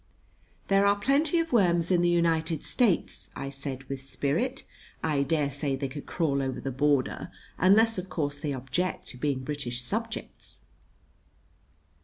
"There are plenty of worms in the United States," I said with spirit. "I dare say they could crawl over the border unless, of course, they object to being British subjects."